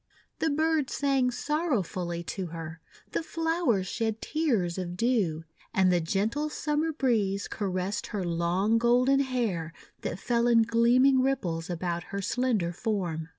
The birds sang sorrowfully to her; the flow ers shed tears of dew; and the gentle Summer breeze caressed her long golden hair that fell in gleaming ripples about her slender form.